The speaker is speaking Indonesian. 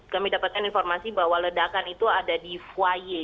kami dapatkan informasi bahwa ledakan itu ada di fuaye